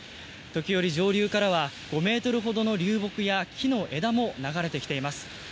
時折、上流からも５ｍほどの流木や木の枝も流れてきています。